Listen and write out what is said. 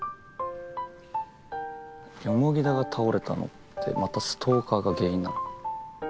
田が倒れたのってまたストーカーが原因なの？